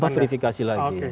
tanpa verifikasi lagi